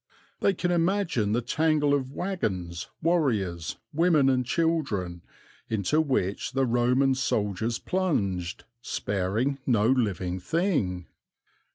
They can imagine the tangle of wagons, warriors, women and children into which the Roman soldiers plunged, sparing no living thing.